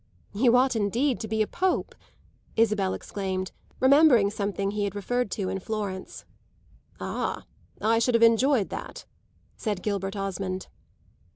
"You ought indeed to be a Pope!" Isabel exclaimed, remembering something he had referred to in Florence. "Ah, I should have enjoyed that!" said Gilbert Osmond.